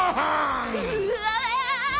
うわ！